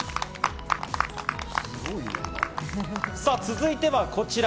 続いてはこちら。